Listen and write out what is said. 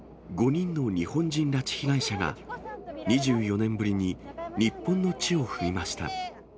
５人の日本人拉致被害者が、２４年ぶりに日本の地を踏みました。